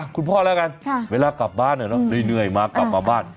คุณพ่อแล้วกันเวลากลับบ้านเหนื่อยมากลับมาบ้าน